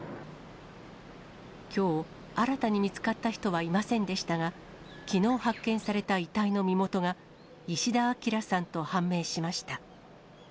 きょう、新たに見つかった人はいませんでしたが、きのう発見された遺体の身元が、石田明さんと判明しました。